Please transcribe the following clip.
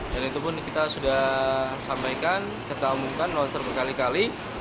dan itu pun kita sudah sampaikan kita umumkan non server kali kali